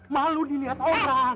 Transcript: malu dilihat orang